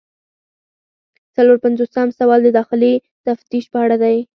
څلور پنځوسم سوال د داخلي تفتیش په اړه دی.